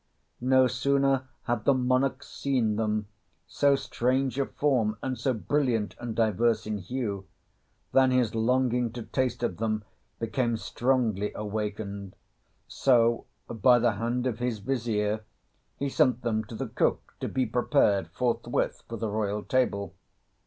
No sooner had the monarch seen them, so strange of form and so brilliant and diverse in hue, than his longing to taste of them became strongly awakened; so, by the hand of his Vizier, he sent them to the cook to be prepared forthwith for the royal table.